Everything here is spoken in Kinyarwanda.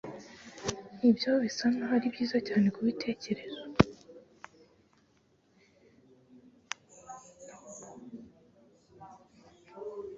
ibyo bisa nkaho ari byiza cyane kubitekerezo